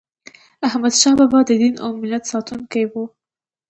احمدشاه بابا د دین او ملت ساتونکی و.